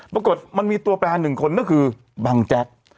ปรากฏมันมีตัวแปลหนึ่งคนก็คือบังแจ๊ก